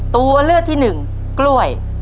ตัวเลือกที่หนึ่งกล้วย